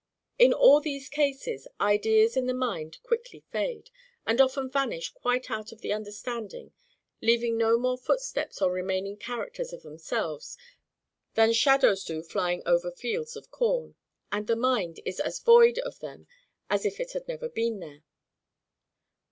In all these cases, ideas in the mind quickly fade, and often vanish quite out of the understanding, leaving no more footsteps or remaining characters of themselves than shadows do flying over fields of corn, and the mind is as void of them as if they had never been there.